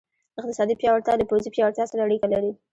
اقتصادي پیاوړتیا له پوځي پیاوړتیا سره اړیکه لري.